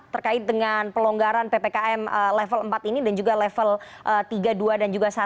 terkait dengan pelonggaran ppkm level empat ini dan juga level tiga dua dan juga satu